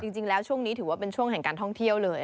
จริงแล้วช่วงนี้ถือว่าเป็นช่วงแห่งการท่องเที่ยวเลย